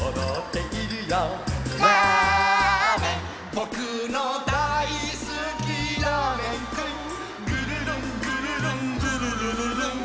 「ぼくのだいすきラーメンくん」「ぐるるんぐるるんぐるるるるん」